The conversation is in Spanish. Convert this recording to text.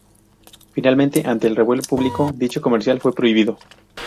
Finalmente ante el revuelo público dicho comercial fue prohibido.